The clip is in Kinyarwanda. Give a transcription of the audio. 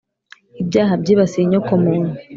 ibyaha byibasiye inyoko muntu,